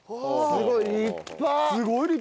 すごい立派！